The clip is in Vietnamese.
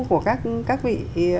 của các vị